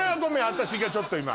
私がちょっと今。